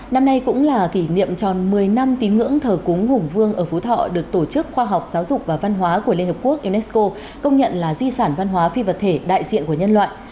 năm nay cũng là kỷ niệm tròn một mươi năm tín ngưỡng thờ cúng hùng vương ở phú thọ được tổ chức khoa học giáo dục và văn hóa của liên hợp quốc unesco công nhận là di sản văn hóa phi vật thể đại diện của nhân loại